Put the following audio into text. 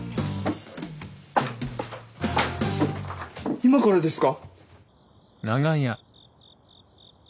今からですか？